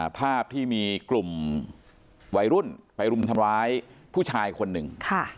ภาพที่มีกลุ่มวัยรุ่นไปรุมทำร้ายผู้ชายคนหนึ่ง